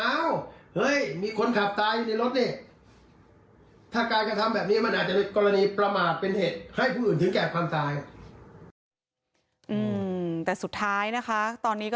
เอ้ามีคนขับตายอยู่ในรถนี่